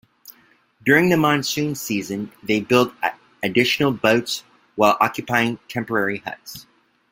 During the monsoon season, they build additional boats while occupying temporary huts.